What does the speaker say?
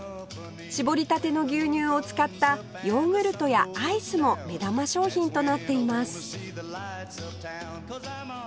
搾りたての牛乳を使ったヨーグルトやアイスも目玉商品となっています